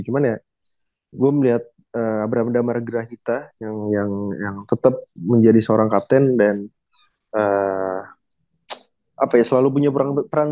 cuman ya gue melihat abraham damar grahita yang tetep menjadi seorang kapten dan selalu punya peran penting menurut gue